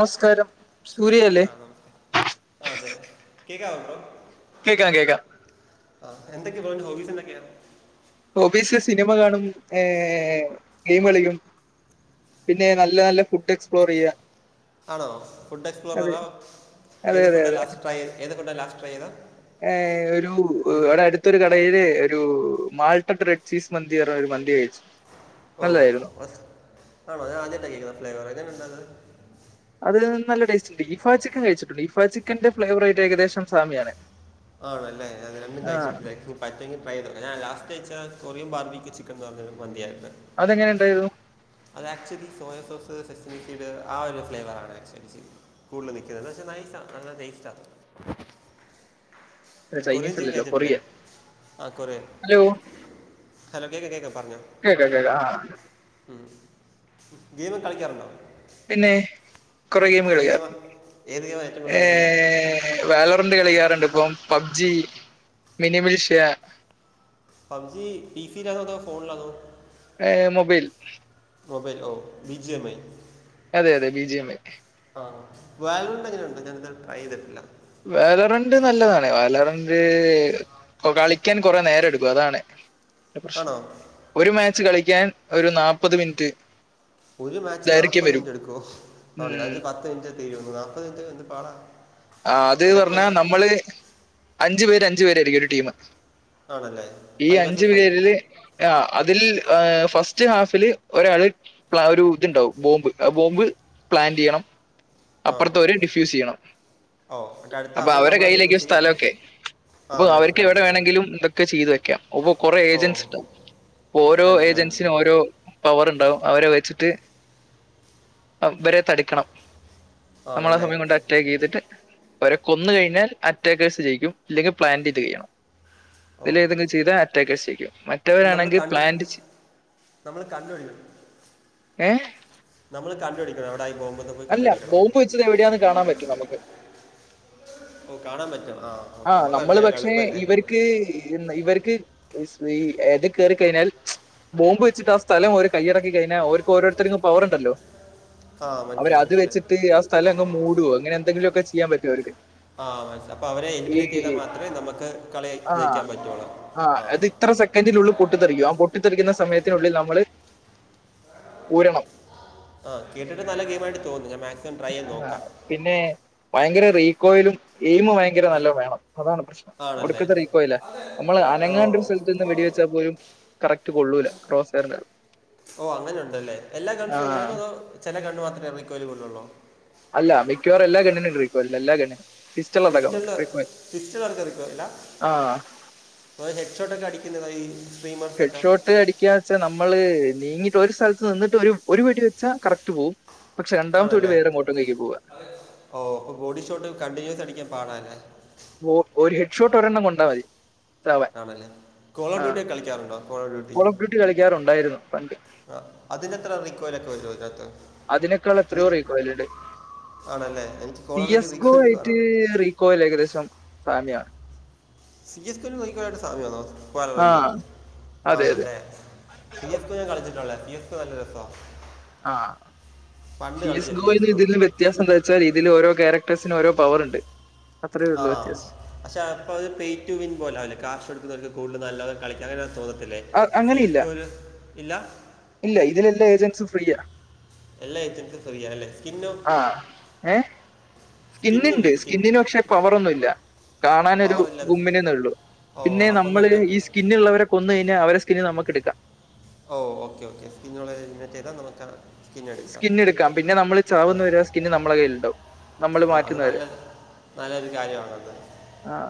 നമസ്കാരം സൂര്യയല്ലേ അതെ [unintelligible] കേക്കാം കേക്കാം. ആ എന്തൊക്ക, ഹോബിസ് എന്തൊക്കെയാ? ഹോബിസ് സിനിമ കാണും, ഏഹ് ഗെയിം കളിക്കും. പിന്നെ നല്ല നല്ല ഫുഡ് എക്സ്പ്ലോറെയ്യ. ആണോ ഫുഡ് എക്സ്പ്ലോററാ. അതെ ഏത് അതെ ഫുഡ് അതെ ലാസ് ട്രൈ, ഏത് ഫുഡാ ലാസ്റ്റ് ട്രൈ ചെയ്തേ? ഏഹ് ഒരു ഒരടുത്തൊരു കടയില് ഒരു മാൾ പ ഡ്രട് ചീസ് മന്തിറഞ്ഞ ഒരു മന്തി കയിച്ചു ഓഹ് ആണോ ഞാനാദ്യാട്ടാ കേക്കുന്ന ആ ഫ്ലേവറ് ഇതെങ്ങനൊണ്ടത് അത് നല്ല ടേസ്റ്റ്ണ്ട് ഇഫാ ചിക്കൻ കഴിച്ചിട്ടുണ്ടോ ഇഫാ ചിക്കന്റെ ഫ്ലേവറായിട്ട് ഏകദേശംസാമ്യാണ് ആണല്ലേ അത് രണ്ടും കഴിച്ചിട്ട്ല്ല ഡ്രൈ ഫ്രൂട്ട് പറ്റുങ്കെ ട്രൈയെതോക്ക് ഞാ ലാസ്റ്റ് കയ്ച്ചാ കൊറിയൻ ബാർബിക്ക് ചിക്കന് പറഞ്ഞ മന്ത്യാ അതെങ്ങനെണ്ടായിരുന്നു? അത് ആക്ച്വലി സോയ സോസ് സസിനിക്കീട് ആ ഒരു ഫ്ലേവറാണ് ആക്ച്വലി ചെയ്ത്. കൂടുതല് നിക്കുന്നത് ന്താച്ചാ നൈസാ നല്ല ടേസ്റ്റാ അല്ല, ചൈനീസ് കൊറജ്ജും അല്ലല്ലോ കഴിഞ്ഞിട്ടില്ലേ കൊറിയൻ ആ കൊറെ ഹലോ ഹലോ കേക്കാം കേക്കാം പറഞ്ഞോ. ക്കെ ഇല്ല ല്ല ല്ല ആഹ് ഉം ഗെയിമ് കളിക്കാറുണ്ടോ പിന്നെ കൊറേ ഗെയിമ് ഏത് ഗെയിമാ കളിക്കാറുണ്ട് ഏത് ഗെയിമാണ് ഏറ്റവും കൂടുതൽ ഏ.. കളിക്കുന്നത് വെറേതുണ്ട് കളിക്കാറുണ്ട് ഇപ്പൊ പബ്ജി മിനിമിൽഷ്യ പബ്ജി പിസി ലാണോഅതോ ഫോൺലാണോ ഏ മൊബൈൽ മോബൈൽ ഓ വി ജി എമ്മഐ അതെ അതെ വിജിഎംഐ ആഹ് വാല്യുണ്ടങ്ങനൊണ്ട് ഞാൻ ഇത്വരെ ട്രൈ ചെയ്തിട്ടില്ല വെലറിണ്ട് നല്ലതാണ് വേലറണ്ട് ഓ കളിക്ക്യാൻ കൊറെേ നേരം ടുക്കും അതാണ് ന്റ പ്രശ്നം ആണോ ഒരു മാച്ച് കളിക്ക്യാൻ ഒരു നാപത് മിൻറ്റ് ഒരു മാച്ച് നാപ്പത് മിൻറ്റ് എടുക്കോ ആ ഉം ഞാൻച്ച് പത്ത് മിൻറ്റി തീരൂന്ന് നാപ്പതിന്റ് ന്ത്‌ പാടാ ആഹ് അത് ഇടയ്ക്ക് പർഞ്ഞാ നമ്മള് അഞ്ച് പേര് അഞ്ച് പേരായിരിക്കും ഒരു ടീം ആണല്ലേ ഈ ഫൈവ് വേഴ്സസ് ഫൈവ് അഞ്ച്പേരില് ആ അതിൽ ഏ ഫസ്റ്റ് ഹാഫില് ഒരാള് ഒരു ഇതുണ്ടാവും ബോംബ് ആ ബോംബ് പ്ലാന്റ്യ്യണം ആ അപ്പർത്തോര് ഡിഫ്യൂസ് ചെയ്യണം ഓ എന്നിട്ട് അടുത്ത അപ്പൊ ഹാഫിൽ അവരെ നമ്മൾ ഡിഫ്യൂസ് കയ്യിലേക്കും ചെയ്യും സ്ഥലക്കൊ ആ പ്പം അവർക്ക് മനസ്സിലായി എവിടെ മനസ്സിലായി വേണങ്കിലും എന്തൊക്കെ ചെയ്തു വെക്കാം അപ്പൊ കൊറേ ഓ ഏജൻസ് ണ്ടാവും പ്പം ഓരോ മനസ്സിലായി ഏജൻസി മനസ്സിലായി ഓരോ പവർ ണ്ടാവും അവരെ വെച്ചിട്ട് ഇവരെ തടുക്കണം നമ്മള ആണല്ലേ സമയം കൊണ്ടറ്റാകെയ്തിട്ട് അവരെ കൊന്ന് കഴിഞ്ഞാൽ അറ്റാക്കേഴ്സ് ജയിക്കും ഇല്ലെങ്കി പ്ലാൻഡായിട്ട് ചെയ്യണം ഓ ഇതിലെതെങ്കിലും ചില അറ്റാക്കെയ്യ്സെയ്ക്കും മറ്റ് നമ്മൾ റ്റവരാണെങ്കിൽ കണ്ടു പ്ലാന്റ് ചി നമ്മൾ ഏഹ് നമ്മള് കണ്ട്ടിക്കണം എവിടായീ ബോംബെന്ന് പോയ് അല്ല കണ്ടുടിക്കണം ബോംബ് വെച്ചത് എവിടെയാന്ന് കാണാൻ പറ്റും നമുക്ക് ഓ കാണാം പറ്റ്വോ ആഹ് ഓക്കെ അപ്പൊ കൊഴപ്പയ്ല്ല എളുപ്പല്ലേ ക്ക് ഇവർക്ക് സ്‌ ഏത് കേറി കഴിഞ്ഞാൽ ബോംബ് വച്ചിട്ട് ആ സ്ഥലം ഓര് കയ്യടക്കി കഴിഞ്ഞാ ഓർക്ക്‌ ഓരോരുത്തർക്കും പവർ ണ്ടല്ലോ ആ അവര് മനസ്സിലായി അത് മനസ്സിലായി വെച്ചിട്ട് ആ സ്ഥലം അങ്ങ് മൂട്വോ അങ്ങനെ എന്തെങ്കിലുംക്കെ ചെയ്യാമ്പറ്റും അവർക്ക് ആ അപ്പൊ അവരെ എലിമിനേറ്റ് ചെയ്താ ഈ മാത്രെ നമുക്ക് കളി ആ ജയിക്കാൻ പറ്റോള്ളാ ആ അത് ഇത്ര സെക്കഡിനുള്ളിൽ പൊട്ടിത്തെറിക്കും ആ പൊട്ടിത്തെറിക്കുന്ന സമയത്തിനുള്ളില് നമ്മള് ഊരണം ആ കേട്ടിട്ട് നല്ല ഗെയിം ആയിട്ട് തോന്നുന്നു ഞാൻ മാക്സ് പിന്നെ ഭയങ്കര റീകോയിലും എയിമും ഭയങ്കര നല്ല വേണം അതാണ് പ്രശ്നം ആണല്ലേ ഒടുക്കത്തെ റിക്കോയിലാ നമ്മള് ഓ അനങ്ങാണ്ട് ഒരു സ്ഥലത്ത്ന്ന് വെടിവെച്ചാൽ പോലും കറക്റ്റ് കൊള്ളൂല ക്ളോസ്ഡ്റിന് ഓ അങ്ങനെ ഉണ്ടല്ലേ എല്ലാ ഗൺസിനും ഇങ്ങനെയാണോ അതോ ചെല ഗണ്ണ് മാത്രമേ റീ കോയിലബിൾ ഉള്ളോ അല്ല മിക്കവാറും എല്ലാ ഗണ്ണിനും റിക്കോയിൽ ഉണ്ട് എല്ലാ ഗണ്ണിനും പിസ്റ്റൾ അടക്കം പിസ്റ്റൾല് റീകോയിൽ പിസ്റ്റളും ഒക്കെ റീകോയിലാ ആ അപ്പോൾ ഹെഡ് ഷോട്ട്ക്കെ അടിക്കുന്നതോ അയിൽ ഹെഡ് ഷോട്ട് ട്ട് അടിക്കാ വെച്ചാൽ നമ്മള് നീങ്ങിട്ട് ഒരു സ്ഥലത്ത് നിന്നിട്ട് ഒരു വെടി വെച്ചാ കറക്റ്റ് പോവും പക്ഷെ രണ്ടാമത്തെ വെടി ആണല്ലേ വേറെ എങ്ങോട്ടേക്ക് പോവുക. ഓ ബോഡിഷോട്ട് കണ്ടിന്യൂസ് അടിക്കാൻ പാടാല്ലേ ഒ ഒരു ഹെഡ്ഷോട്ട് ഒരെണ്ണം കൊണ്ടാൽ മതി. ചാവാൻ ആണല്ലേ കോളർ ആ ഡ്യൂട്ടി ഒക്കെ കളിക്കാറുണ്ടോ കോളർ ഡ്യൂട്ടി കോൾ ഓഫ് കളിക്കാറുണ്ടായിരുന്നു പണ്ട് ആ അതിനെത്ര റീകോയില് ഒക്കെ വരുവോ ഇതിനകത്ത് അതിനെക്കാൾ അത് എത്രയോ റീ കോയിലുണ്ട് ആണല്ലേ എനിക്ക് call C of duty S go recoil കുറവാണ് റേറ്റ് കോയിൽ ഏകദേശം സാമ്യമാ സി എസ് ഗോ [unintelligible] സാമ്യമാണോ ആ [unintelligible] അതെ അതെ ആണല്ലേ സി എസ് സി ക്കോ ഞാൻ കളിച്ചിട്ടുള്ളതാ സിക്കോ നല്ല രസമാ ആ സിഎസ് എസ് ക്കോയിന്ന് കോ ഇതിലും വിത്യാ വ്യത്യാസം എന്താ വെച്ചാൽ ഇതില് ഓരോ ക്യാരക്ടേഴ്സിനും ഓരോ പവർ ഉണ്ട്. അത്രേ ഉള്ളൂ ആഹ് വ്യത്യാസം പക്ഷെ അപ്പോഅത് പേയ് ടു വിൻ പോലാവില്ലേ കാശ് കൊടുക്കുന്നവർക്ക് കൂടുതല് നല്ല കളിക്കാനോതോന്നത്തില്ലേ അ- സി അങ്ങനെയില്ല എസ് ക്കോ ഇല്ല. ഇല്ല ഇതിലെല്ലാ ഏജൻസും ഫ്രീയാ എല്ലാ ഏജൻസും ഫ്രീയാ അല്ലേ ആഹ് ഏ സ്കിന്നിണ്ട് സ്കിന്നില്ലേ സ്കിൻ സ്കിന്നിന് പക്ഷെ പവറൊന്നുമില്ല കാണാനൊരു പവർ ഇല്ലത് ഗുമ്മിനന്നെ ഉള്ളൂ. ഓ പിന്നെ അപ്പം നമ്മള് നല്ല ഈ സ്കിന്നുള്ളവരെ കൊന്ന് കഴിഞ്ഞാൽ അവരടെ സ്കിന്ന് നമുക്ക് എടുക്കാം. ഓ ഓക്കെ ഓക്കെ സ്കിന്നുള്ളതങ്ങനെ ചെയ്താ നമ്മുക്ക് സ്കിന്ന് എടുക്കാം പിന്നെ നമ്മള് ചാവുന്ന വരെ സ്കിന്ന് നമ്മടെ കയ്യിലുണ്ടാവും നമ്മള് ആ അത് മാറ്റുന്നവരെ നല്ല നല്ലൊരു കാര്യമാണത് ആ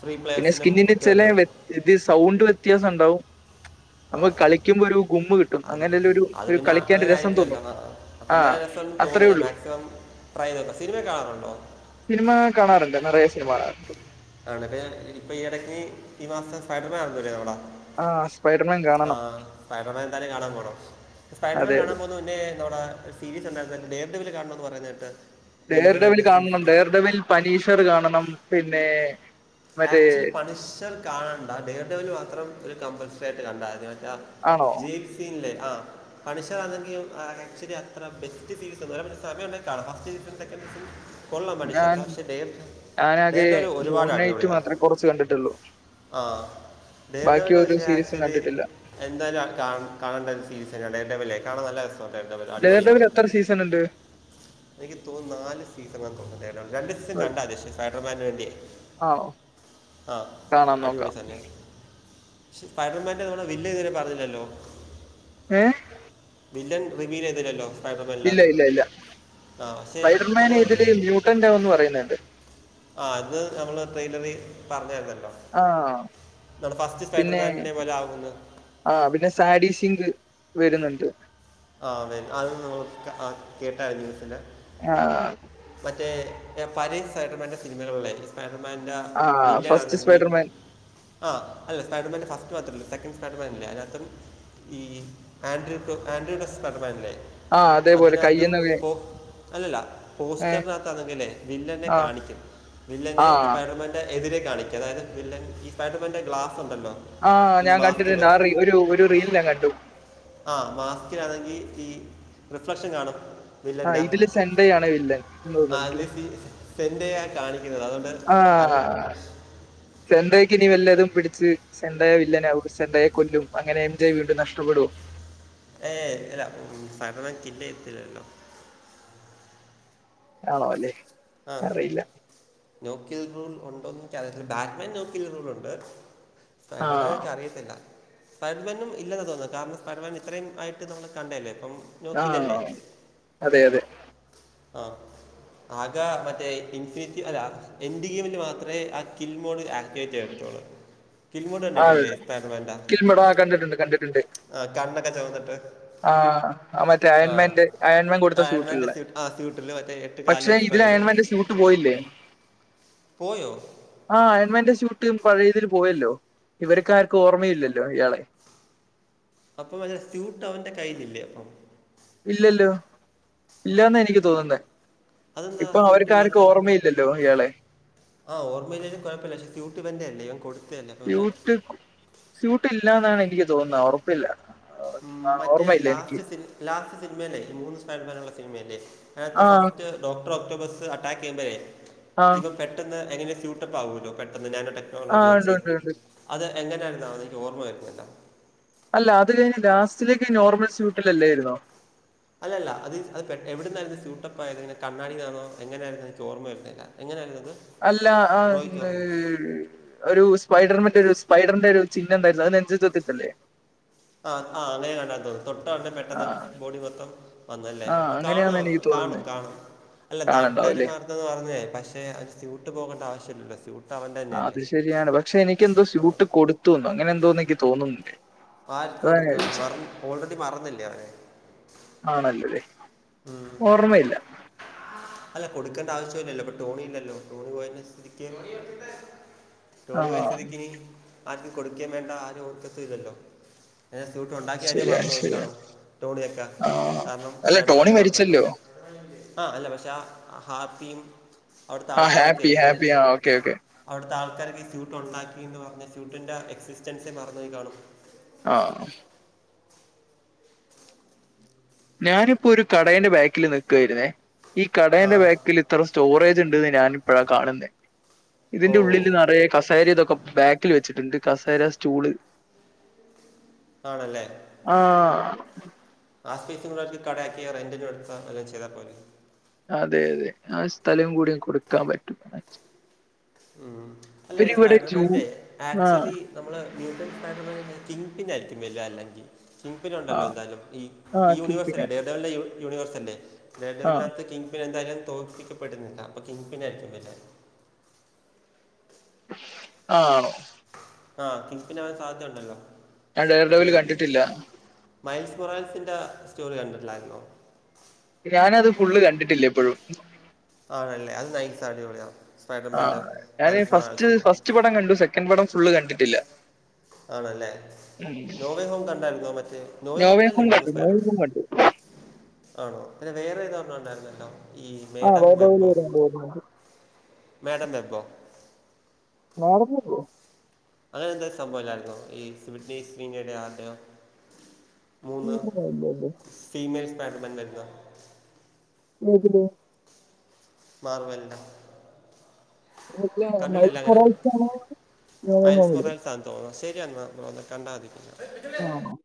ഫ്രീ പ്ലെയസിനും കിട്ടുമല്ലോ ഇതിൽ സൗണ്ട് വിത്യാസം ഉണ്ടാവും ആ അപ്പോൽ കളിക്കുമ്പോ ഒരു ഗുമ്മ് കിട്ടും അങ്ങനല്ലേ ഒരു കളിക്കാൻ ഒരു രസ [unintelligible] അപ്പോ നല്ല രസമുണ്ടന്ന് തോന്നുന്നു ഞാൻ ഉള്ളൂ മാക്സിമം ട്രൈ ചെയ്ത് നോക്കാം സിനിമയെക്കെ കാണാറുണ്ടോ? സിനിമ കാണാറുണ്ട് നേറയെ സിനിമ കാണാറുണ്ട്. ആണെങ്കി ഇപ്പോ ഈ ഇടയ്ക്ക് ഈ മാസം സ്പൈഡർമാൻ എറങ്ങും ഇല്ലിയോടാ ആഹ് സ്പൈഡർമാൻ കാണണം ആഹ് സ്പൈഡർമാൻ എന്താലും കാണാൻ പോണം. സ്പൈഡർമാൻ അതെ അതെ. കാണാൻ പോ മുന്നേ ആയിരുന്നോടാ സീരിസ് ഉണ്ടായിരുന്നല്ലോ ഡേ ഡെർവില് കാണണമെന്ന് പറയുന്ന കേട്ട് ഡേ ഡര്‍വില്‍ കാണണം. ഡേ ഡര്‍വില്‍ പനീഷർ കാണണം പിന്നെ മറ്റേ ആക്ച്വലി പണിഷർ കാണണ്ട ഡേ ഡര്‍വില്‍ മാത്രം ഒരു കമ്പൽസറി ആയിട്ട് കണ്ടാ മതി മറ്റ ആണോ [unintelligible] [unintelligible] ആ പണിഷറാ ണെങ്കിലും ആക്ച്വലി അത്ര ബെസ്റ്റ് സീരിസ് ഒന്നുമല്ല പക്ഷേ സമയംഉണ്ടെങ്കി ഫസ്റ്റ് സീരിസും സെക്കഡ് സീരിസും കൊള്ളാം പനിഷേ ഞാൻ പക്ഷെ ഡേ ഞാനാകെ ഡെർവിൽ മൂൺ ഒരുപാട് ആണ്. നൈറ്റ് മാത്രമേ കുറച്ച് കണ്ടിട്ടുള്ളൂ [unintelligible] ആ ഡേ ബാക്കി ഡെർവിൽ ഒരു പക്ഷേ സീരീസും ആക്ച്വലി കണ്ടിട്ടില്ല എന്തായാലും ആ കാ കാണേണ്ട ഒരു സീരിസാ ഡെ ഡെർവിലെ കാണാൻ നല്ല രസം. ഡെ ഡെർവിൽ ഡെയർ അടിപൊളിയാ ഡെവിൽ എത്ര സീസൺ ഉണ്ട് എനിക്ക് തോന്നന്ന് നാല് സീസൺ ആന്ന് തോന്നുന്നു ഡെ ഡെർവില് രണ്ട് സീസൺ കണ്ടാ മനിഷേ സ്പൈഡർമാന്റെയെക്കെയേ ആണോ? ആ കാണാൻ അടിപൊളി നോക്കാം തന്നയാ പൈഡർമാൻ്റെ നണ വില്ല്തത് പറഞ്ഞില്ലല്ലോ? ഏ വില്ലൻ റിവീ ലെയ്തില്ലല്ലോ? ഇല്ല ഇല്ല ഇല്ല പക്ഷേ ഫൈ ഡർമാൻ നമ്മൾ ഇതിൽ മറ്റേ മ്യയൂട്ടന്റന്ന് ആവുന്ന് പറയുന്ന കേട്ട്. ആ അത് നമ്മള് ട്രെയിലറി പറഞ്ഞർനല്ലോ ആഹ് ഫസ്റ്റ് പിന്നെ സ്പൈഡർമാനിന്റെ പോലെ ആകുന്നു. ആ പിന്നെ സാഡി സിങ്ക് വെ രുന്നുണ്ട്. ആ അതെ അതന്ന് നമ്മൾ കേട്ട അയലൂ സി ന് ആഹ് മറ്റേ പരക്സൈട്ടർമൻ്റെ സിനിമകള ഫൈഡർ മാന്റെ ആ ബില്ലണത ഫസ്റ്റ് വി സ്പൈഡർമാൻ ആഹ് അല്ല സ്പൈഡർമാൻ ഫസ്റ്റ് മാത്രമല്ല സെക്കൻ് സ്പൈഡർ മാനില്ലേ അതിനകത്തും ഈ ആൻഡ്രി ടുആൻഡ്രി യുടെ സ്സ് പേടർമാനില്ലേ ആ അതേപോലെ അതിനർത്തം കയ്യിന്നൊക്കെ പോ അല്ലല്ല ഏ പോസ്റ്റർ ന കത്താണങ്കില് വ ല്ലനെ ആ കാണിക്കും ആ വില്ലനസ്‌പൈഡർ പന്റെ എതിരെ കാണിക് അതായത് വില്ലൻ ഈപൈഡർമെന്റെ ഗ്ലാസ്ണ്ടല്ലോ ആഹ് ഞാൻ കണ്ടിണ്ട് നാറി ഒരു ഒരു റീൽനെ കണ്ടു ആ മാസ്കിയാണെങ്കിഈ റിഫ്ലക്ഷൻ കാണും ആ ഇതില് സെണ്ടയാണ് വില്ലൻ എന്ന് ആത് തോന്നുന്നുണ്ടല്ലേ സെന്റ് യ്യ കാണിക്കുന്നത് അതൊണ്ട് അറിയത്തില്ല സെൻറയ്ക്ക് ഇനി വല്ലതും പിടിച്ച് സെൻണ്ട യ് വില്ലനെ അവർ സെണ്ടയെ കൊല്ലും അങ്ങനെഎന്റെ വീടുംനഷ്ടപ്പെടും കില്ല എത്തില്ലല്ലോ ആണോ അല്ലേ ആ അറിയില്ല നോക്കി റൂൾ ഉണ്ടോന്നുംഇൻക് അറിയത്തില്ല [unintelligible] ഉണ്ട് ആ ഫൈഡാർമനെ ഇക്ക അറിയത്തില്ല ഫൈഡർമനും ഇല്ലെന്ന തോന്നുന്നു കാരണംഫൈ ഡർമാ ൻ ഇത്രയും ആയിക്ക് കണ്ടേനെ ഇപ്പം നോ കില്ലല്ലേ ആഹ് അതെ അതെ ആഹ് ആകെ മറ്റേ ഇൻസിജി അല്ല എൻ ണ്ടിയുമെന്റ് മാത്രമേ ആ കിൽ മോഡ് [unintelligible] കിൻ പോഡ് ആ കണ്ടിട്ടില്ലേ ഫൈഡർ മാന്റെ കിൽമേട കണ്ടിട്ടുണ്ട് ആ കണ്ണൊക്കെ ചോന്നിട്ട് ആഹ് ആ മറ്റേ അയൺമന്റ് അയൺമൻ കൊടുത്ത ആൻഡ്മാൻ്റെ സ്യൂട്ടുള്ള സ്യൂട്ട് ആ സ്യൂട്ടിൽ മറ്റേ എട്ട് കാല് പക്ഷേ എക്സ്ട്രാ വരും ഇതിലയമെന്റ് സൂട്ട് പോയില്ലേ പോയോ ആഹ് അയന്മന്റെസൂട്ട് പഴയതിൽ പോയല്ലോ ഇവരക്ക ആർക്കും ഓർമ്മയില്ലല്ലോ ഇയാളെ അപ്പം അ സ്യൂട്ട് അവന്റെ കയ്യിലില്ലേ അപ്പം ഇല്ലല്ലോ ഇല്ലാന്ന എനിക്ക് തോന്നുന്ന അതെന്താ ഇപ്പൊ സ്യൂട്ട് അവർക്ക് ഇല്ലാത്ത ആർക്കും ഓർമ്മയില്ലല്ലോ ഇയാളെ ആ ഓർമയില്ലേ ലും കുഴപ്പില്ലസ് ക്യു ട്ട്ഇവന്റെ അല്ലെ കൊട് സ്യൂട്ട് കും സ്യൂട്ട് ഇല്ലാന്നാണ് എനിക്ക് തോന്നുന്നത് ഉറപ്പില്ല മ് മറ്റേ ഓർമ്മയില്ല എനിക്ക് ലാസ്റ്റ് സിൻ ലാസ്റ്റ് സിനിമയില് ഈ മൂന്ന് സ്പാൻ പാനുള്ള സിനിമയല്ലേ അയ്നഗത് ആ ഫസ്റ്റ് ഡോക്ടർ ഓക്ടോബസ് അറ്റാക്ക് ചെയ്യുമ്പേഇ ആ ഇവൻ പെട്ടെന്ന് എങ്ങനെ സ്യൂട്ടപ്പ് ആവുല്ലോ പെട്ടെന്ന് ഞാൻ ആ ഉണ്ട് ചോച്ച് ഉണ്ട് ഉണ്ട് അത് എങ്ങനെണ്ന്നാവോ ഇതിന്റ ഓർമ്മ വരുതില്ല അല്ല അത് കഴിഞ് ലാസ്റ്റിലേക്ക് നോർമൽ സ്യൂട്ടിലല്ലോയിരുന്നോ അല്ലല്ല അത് അത് എവിടുന്നായിരുന്നു സ്യൂട്ടപ്പ ആയത് ഇങ്ങന കണ്ണാടിന്നാഎങ്ങനെയായിരുന്നു എനിക്ക് ഓർമ്മ വരുന്നില്ല എങ്ങനെയായിരുന്നത് അല്ല ആന്നെ ഒരു സ്പൈഡർ മറ്റരു സ്പൈഡറിന്റെ ഒരു ചിന്നം ഇണ്ടായിരുന്നു അത് നെഞ്ചത്ത്ത്തിത ല്ലേ ആ ആഹ് അങ്ങനെ ആണ് തോന്നുന്നു തൊട്ട ആളുടെ ആ പെട്ടെന്ന് ബോഡി മൊത്തം വന്നല്ലേ ആ അപ്പൊ കാണോ അങ്ങനെയാന്ന് എനിക്ക് കാണും തോന്നുന്നത് കാണും അല്ല കാണണ്ടാവും നാട്ടുകാർമാർ ന്ന് പറഞ്ഞ പക്ഷെ അത് സ്യൂട്ട് പോകേണ്ട ആവശ്യമില്ലല്ല സ്യൂട്ട് അവൻ്റെ അത് തന്നെയല്ലേ ശരിയാണ് പക്ഷെ എനിക്ക് എന്തോ ആ സ്യൂട്ട് കൊടുത്തുന്നോ അങ്ങനെ എന്തോന്ന് എനിക്ക് തോന്നുന്നില്ലേ പാറ്റ് അതാ ഞാൻ കൊടുക്കാ മ ചോദിച്ചത്. ഓൾറെഡി മറന്നില്ലേ അവരെ ആണല്ലോല്ലേ ഉം. ഓർമ്മയില്ല അല്ല കൊടുക്കേണ്ട ആവശ്യല്ലല്ലോ ഇപ്പൊ ടോണി ഇല്ലല്ലോ ടോണി പോയതിന ശരിക്ക ആ തോണി പോയസ്ഥിതിക്കിനി ആർക്ക് കൊടുക്കുകൻ വേണ്ട ആ ഒരു ഓർക്കതു ഇല്ലല്ലോ ഞെ സ്യൂട്ട് ഉണ്ടാക്കിയ കാര്യം ശരിയാണ് മറന്ന് ശരിയാണ്. നോയിക്കാണും ണിയൊക്കെ ആ കാരണം അല്ല അടു ടോണി പറഞ്ഞല്ലോ മരിച്ചല്ലോ? ആ അല്ല പക്ഷെ ഹാപ്പിയും അവിടത്തെ ആ ആൾക്കാരൊക്കെ ഹാപ്പി ഹാപ്പി ആ ഓക്കെ ഓക്കെ. അവിടുത്തെ ആൾക്കാർ ഷൂട്ട ഉണ്ടാക്കി എന്ന് പറഞ്ഞ ഷൂട്ടിന്റെ എക്സിസ്റ്റൻസെ മറന്നുപോയി കാണും ആഹ് ഞാനിപ്പോ ഒരു കടയിന്റെ ബാക്കിൽ നിക്കുവായിരുന്നേ ഈ ആ കടന്റെ ബാക്കിൽ ഇത്ര സ്റ്റോറേജ് ഉണ്ട്ന്ന് ഞാൻ ഇപ്പോഴാ കാണുന്ന ഓ ഇതിന്റെ ഉള്ളിൽ നറയെ കസേരി ഇതൊക്കെ ബാക്കിൽ വെച്ചിട്ടുണ്ട് കസേര സ്റ്റൂള് ആണല്ലേ ആ ആഹ് സ്പേസ് കൂക്ക് കടയാക്കിയ റന്റിനും എടുത്ത എല്ലാം ചെയതാ പോലെ അതെ അതെ ആഹ് സ്ഥലം കൂടിയ കൊടുക്കാൻ പറ്റുവ ഉം അല്ല ഈ ജൂ സ്പൈഡർമാൻന്റെേ ആ ആക്ച്വലി നമ്മള് [unintelligible] കിങ് പിൻ ആയിരിക്കും വര്യ അല്ലെങ്കിൽ കിംഗ് ആ പിനുണ്ടല്ലോ എന്തായാല ഈ ആ ഈ കീപ്പിങ് യൂണിവേഴ്സല്ല ഡേഡവലൻെ യൂണിവേഴ്സല്ലേ ഡേഡ ആഹ് ഡവൽനാകത്ത് കിങ് പിന്നെ എന്തായാലും തോൽപ്പിക്കപ്പെടുന്നില്ല അപ്പൾ കി പിനായിരിക്കും വല്ലും ആണോ ആഹ് കിങ്പ്പിനാകൻ സാധ്യത ഉണ്ടല്ലോ ഞാൻ ഡെയർ മറ്റേ ഡെവിൽ കണ്ടിട്ടില്ല മൈൽസ് മൊറാൽസിന്റെ സ്റ്റോറി കണ്ടിട്ടില്ലായിരുന്നോ ഞാനത് ഫുള്ള് കണ്ടിട്ടില്ല എപ്പോഴും ആണല്ലേ അത് നൈസാ അടിപൊളിയാ സ്പൈഡർമൻന്റെ ആഹ് ഞാന് മാൽ ഫസ്റ്റ് മൊണാസിന്റെ ഫസ്റ്റ് പടം കണ്ടു സെക്കൻ് പടം ഫുള് കണ്ടിട്ടില്ല ആണല്ലേ ഉം നോവേ ഹോം കണ്ടായിരുന്നോ മറ്റേ നോവേ ഹോമിലല്ലേ ഹോം മൂന്ന് കണ്ടു നോവേ സ്പൈഡർ ഹോം കണ്ടു ആണോ പിന്നെ വേറെ ഏതോരണ്ണം ഉണ്ടായിരുന്നല്ലോ ഈ ആഹ് മേഡം വേറെവില് വെബോ വരുമ്പോയിരുന്നു മേഡം വെബോ [unintelligible] അങ്ങനെ എന്ത സംബവില്ലായിരുന്നോ [unintelligible] ആരട്യോ [unintelligible] ഫീമെയിൽസ് സ്പൈഡർമാൻ വരുന്നെ ഏതില് മാർവെൽല്ലിൻ്റെ കണ്ടിട്ടില്ല മൈൽസ് അങ്ങനെ മൊറാൾസ് ആണ് നോവേ മയൽസ് ഹോമില് മൊറൽസ തോന്ന ശരി എന്നാൽ [unintelligible] [unintelligible]